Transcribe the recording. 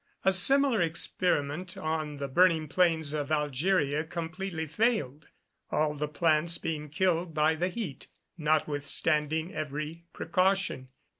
A similar experiment on the burning plains of Algeria completely failed, all the plants being killed by the heat, notwithstanding every precaution.